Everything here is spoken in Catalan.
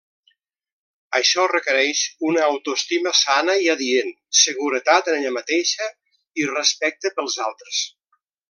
Això requereix una autoestima sana i adient, seguretat en ella mateixa i respecte pels altres.